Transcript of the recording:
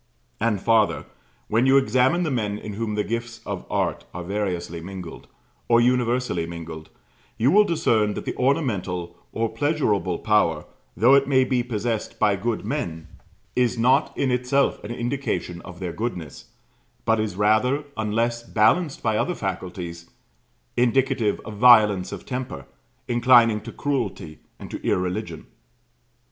And farther, when you examine the men in whom the gifts of art are variously mingled, or universally mingled, you will discern that the ornamental, or pleasurable power, though it may be possessed by good men, is not in itself an indication of their goodness, but is rather, unless balanced by other faculties, indicative of violence of temper, inclining to cruelty and to irreligion.